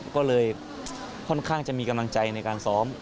ก็เลยค่อนข้างจะมีกำลังใจในการซ้อม